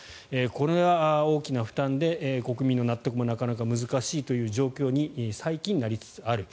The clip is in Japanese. これは大きな負担で国民の納得もなかなか難しいという状況に最近なりつつある。